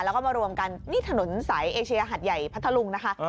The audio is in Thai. แล้วก็มารวมกันนี่ถนนสายเอเชียหัดใหญ่พัทธลุงนะคะ